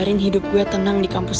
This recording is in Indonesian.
ini ada surat untuk kamu